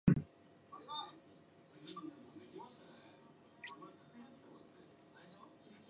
Lerche is also credited for production.